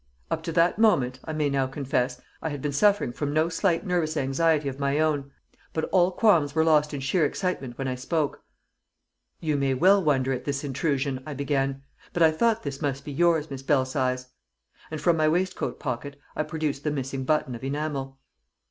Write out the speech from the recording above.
Up to that moment, I may now confess, I had been suffering from no slight nervous anxiety of my own. But all qualms were lost in sheer excitement when I spoke. "You may well wonder at this intrusion," I began. "But I thought this must be yours, Miss Belsize." And from my waistcoat pocket I produced the missing button of enamel.